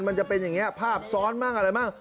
มันจะเป็นอย่างนี้ภาพซ้อนมั่งอะไรมั่ง